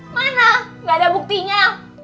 mana gak ada buktinya